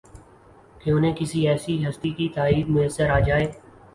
کہ انہیں کسی ایسی ہستی کی تائید میسر آ جائے